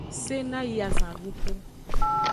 Sena yi azanduxu.